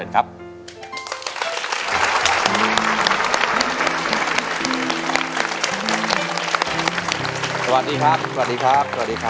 มาพบกับแก้วตานะครับนักสู้รุ่นจี๊วแห่งแดนอิสานสู้ชีวิตสู้งาน